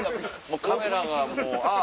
カメラがもうああ。